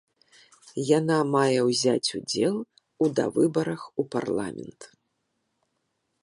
Яна мае ўзяць удзел у давыбарах у парламент.